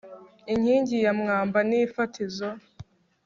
inkingi ya mwamba ni ifatizo